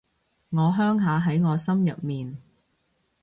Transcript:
我鄉下喺我心入面